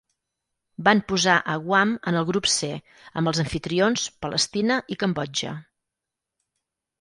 Van posar a Guam en el grup C amb els amfitrions, Palestina i Cambodja.